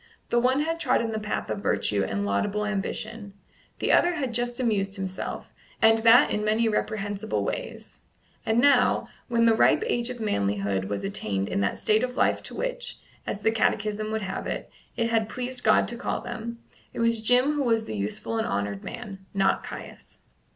The one had trodden the path of virtue and laudable ambition; the other had just amused himself, and that in many reprehensible ways; and now, when the ripe age of manhood was attained in that state of life to which as the Catechism would have it it had pleased God to call them, it was Jim who was the useful and honoured man, not Caius.